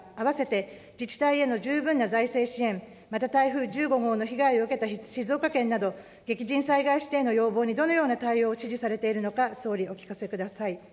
併せて自治体への十分な財政支援、また台風１５号の被害を受けた静岡県など、激甚災害指定の要望にどのような対応を指示されているのか、総理、お聞かせください。